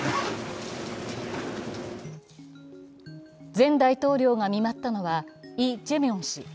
前大統領が見舞ったのはイ・ジェミョン氏。